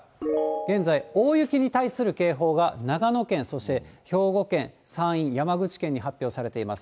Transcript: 現在、大雪に対する警報が長野県、そして兵庫県、山陰、山口県に発表されています。